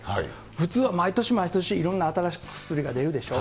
普通は毎年毎年いろんな新しい薬が出るでしょう。